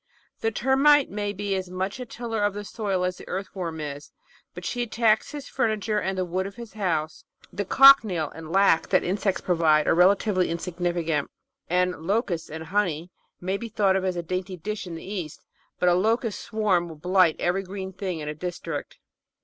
The Termite may be as much a tiller of the soil as the Earthworm is, but she attacks his furniture and the wood of his house; the cochineal and "lac" that insects provide are relatively insignifi cant; and "locusts and honey" may be thought a dainty dish in the East, but a locust swarm will blight every green thing in a district.